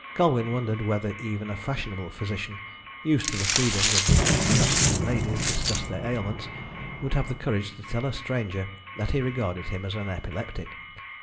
Colwyn wondered whether even a fashionable physician, used to the freedom with which fashionable ladies discussed their ailments, would have the courage to tell a stranger that he regarded him as an epileptic.